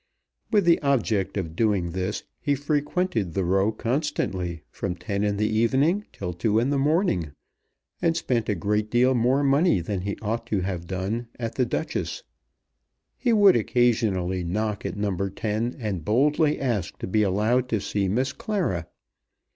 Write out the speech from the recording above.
With the object of doing this he frequented the Row constantly from ten in the evening till two in the morning, and spent a great deal more money than he ought to have done at The Duchess. He would occasionally knock at No. 10, and boldly ask to be allowed to see Miss Clara.